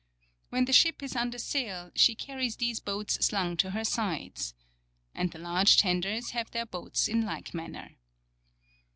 When the ship is under sail she carries these boats slung to her sides. And the large tenders have their boats in like manner.